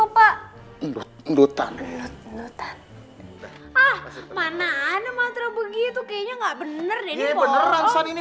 domiko pak domiko pak butang butang mana mana mantra begitu kayaknya nggak bener bener ini